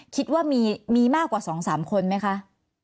คิดว่ามีมากกว่าสองสามคนไหมคะ